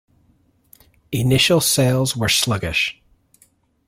Initial sales were sluggish.